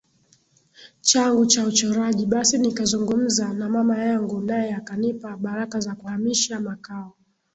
changu cha uchorajiBasi nikazungumza na mama yangu naye akanipa baraka za kuhamisha makao